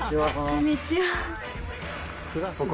こんにちは。